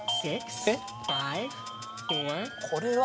これは。